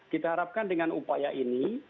kita harapkan dengan upaya ini